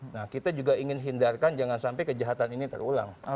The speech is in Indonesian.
nah kita juga ingin hindarkan jangan sampai kejahatan ini terulang